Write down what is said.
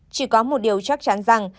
chỉ có một điều chắc chắn rằng